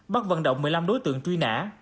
bắt vận động một mươi năm đối tượng truy nã